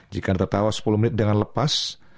jika anda tertawa sepuluh menit dengan lepas